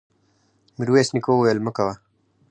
ميرويس نيکه وويل: مه کوه!